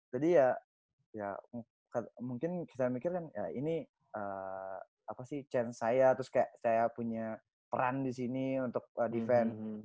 jadi ya mungkin kita mikirkan ya ini apa sih chance saya terus kayak saya punya peran disini untuk defense